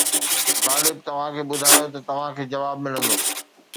غالب توهان کي ٻڌايو ته توهان کي جواب ملندو